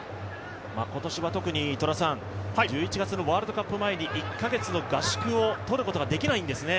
今年は特に１１月のワールドカップ前に１カ月の合宿をとることができないんですね。